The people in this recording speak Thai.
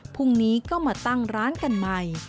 พรุ่งนี้ก็มาตั้งร้านกันใหม่